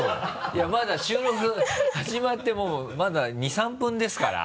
いやまだ収録始まってまだ２３分ですから。